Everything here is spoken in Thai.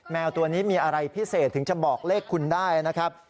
แมวตัวนี้มีอะไรพิเศษถึงจะบอกเลขคุณได้นะครับ